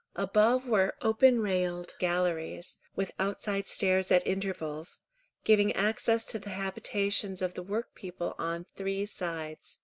Above, were open railed galleries, with outside stairs at intervals, giving access to the habitations of the workpeople on three sides.